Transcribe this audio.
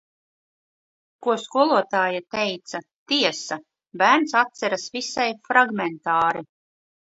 Ko skolotāja teica, tiesa, bērns atceras visai fragmentāri...